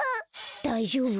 だいじょうぶ？